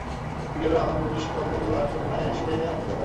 Piero, আমরা পুলিশে call দেবো, আর তোমরা এসে আমাদেরই গ্রেপ্তার করবে।